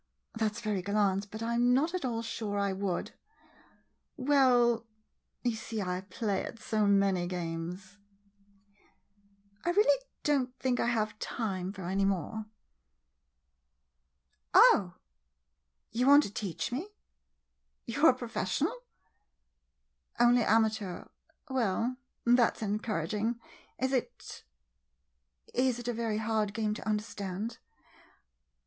That 's very gal lant, but I 'm not at all sure I would. W e 1 1, you see, I play at so many games, 8 CUPID PLAYS COACH I really don't think I have time for any more. [Surprised tone.] Oh, you want to teach me ! You 're a pro fessional ? Only amateur — well — that 's en couraging. Is it — is it a very hard game to understand?